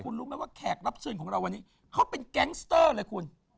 คุณรู้ไหมว่าแขกรับเชิญของเราวันนี้เขาเป็นแก๊งสเตอร์เลยคุณ